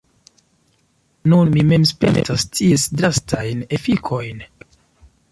Nun mi mem spertas ties drastajn efikojn.